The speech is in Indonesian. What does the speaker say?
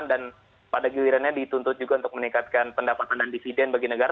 dan pada gilirannya dituntut juga untuk meningkatkan pendapatan dan dividen bagi negara